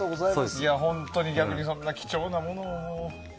逆にそんな貴重なものを。